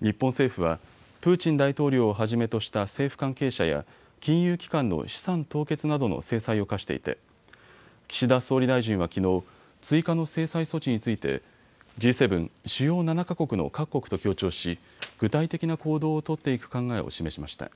日本政府はプーチン大統領をはじめとした政府関係者や金融機関の資産凍結などの制裁を科していて岸田総理大臣はきのう追加の制裁措置についてＧ７・主要７か国の各国と協調し具体的な行動を取っていく考えを示しました。